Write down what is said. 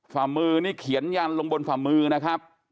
ฝ่ามือนี่เขียนยันลงบนฝ่ามือนะครับ